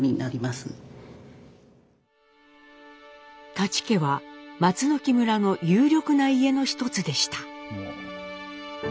舘家は松木村の有力な家の一つでした。